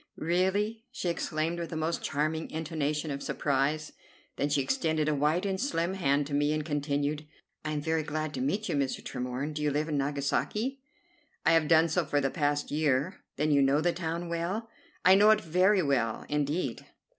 "Really!" she exclaimed with a most charming intonation of surprise. Then she extended a white and slim hand to me, and continued, "I am very glad to meet you, Mr. Tremorne. Do you live in Nagasaki?" "I have done so for the past year." "Then you know the town well?" "I know it very well indeed."